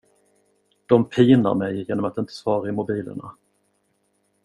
De pinar mig genom att inte svara i mobilerna.